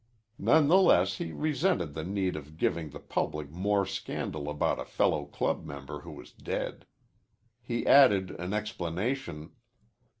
None the less he resented the need of giving the public more scandal about a fellow club member who was dead. He added an explanation.